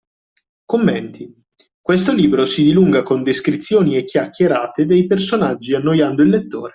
Commenti: Questo libro si dilunga con descrizioni e chiacchierate dei personaggi annoiando il lettore